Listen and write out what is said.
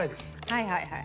はいはいはい。